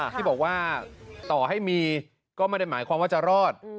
ที่บอกว่าต่อให้มีก็ไม่ได้หมายความว่าจะรอด